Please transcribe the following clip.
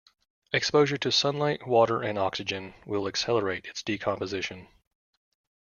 Exposure to sunlight, water and oxygen will accelerate its decomposition.